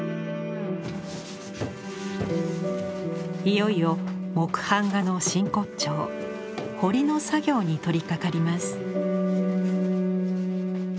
いよいよ木版画の真骨頂「彫り」の作業に取りかかります。